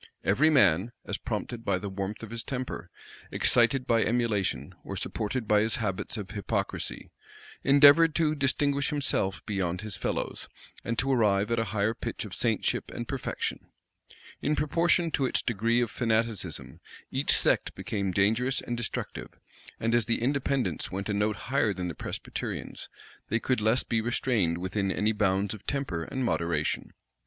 Every man, as prompted by the warmth of his temper, excited by emulation, or supported by his habits of hypocrisy, endeavored to distinguish himself beyond his fellows, and to arrive at a higher pitch of saintship and perfection. In proportion to its degree of fanaticism, each sect became dangerous and destructive; and as the Independents went a note higher than the Presbyterians, they could less be restrained within any bounds of temper and moderation.